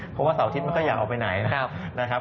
เพราะว่าเสาร์อาทิตย์มันก็อยากออกไปไหนนะครับ